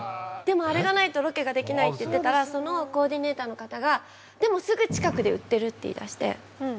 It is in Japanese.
でもあれがないとロケができないって言ってたらそのコーディネーターの方がでもすぐ近くで売ってるって言いだして。